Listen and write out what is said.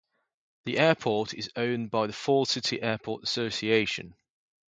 The airport is owned by the Fall City Airport Association.